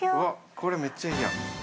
これめっちゃいいやん。